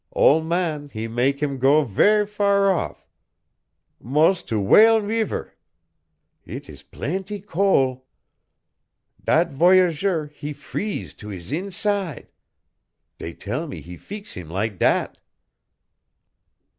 Ole man he mak' heem go ver' far off, mos' to Whale Reever. Eet is plaintee cole. Dat voyageur, he freeze to hees inside. Dey tell me he feex heem like dat."